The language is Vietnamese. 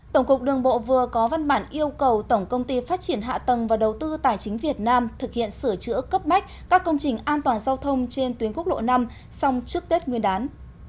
tổng cục đường bộ vừa có văn bản yêu cầu tổng công ty phát triển hạ tầng và đầu tư tài chính việt nam thực hiện sửa chữa cấp bách các công trình an toàn giao thông trên tuyến quốc lộ năm xong trước tết nguyên đán